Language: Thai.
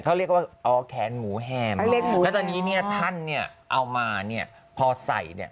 เขาเรียกว่าแค้นหมูแฮมแล้วตอนนี้ท่านเอามาพอใส่